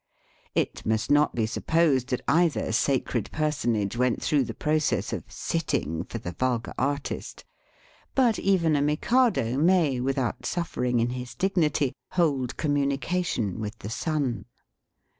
It must not be supposed that either sacred personage went through the process of "sitting" for the vulgar artist. But even a Mikado may, without suflFering in his dignity, hold communication with the sun.